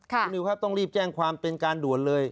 คุณนิวครับต้องรีบแจ้งความเป็นการด่วนเลย